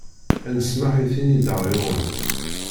Ad n-smmeḥ i tin i d aɣ-yuɣen.